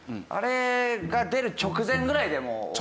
あれが出る直前ぐらいでもう。